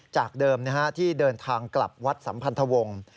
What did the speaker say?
จากเดิมที่เดินทางกลับวัดสัมพันธวงศ์